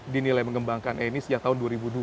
dinilai mengembangkan ini sejak tahun dua ribu dua